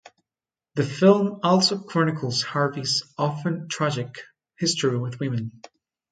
The film also chronicles Harvey's often-tragic history with women.